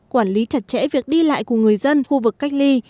quản lý chặt chẽ việc đi lại của người dân khu vực cách ly